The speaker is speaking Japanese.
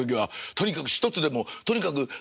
とにかく一つでもとにかくあの。